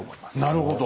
なるほど。